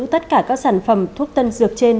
tất cả các sản phẩm thuốc tân dược trên